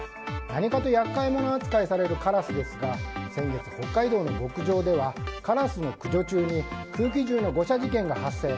何かと厄介者扱いされるカラスですが先月、北海道の牧場ではカラスの駆除中に空気銃の誤射事件が発生。